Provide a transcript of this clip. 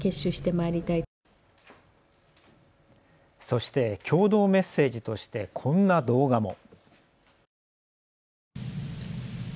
そして共同メッセージとしてこんな動画も。